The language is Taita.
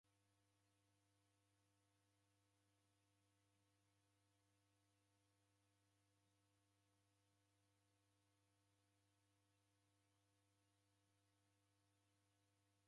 Ni aina iyao ya misarigho ijha kubonyagha?